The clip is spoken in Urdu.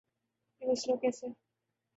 کہ ’کچھ لوگ کیسے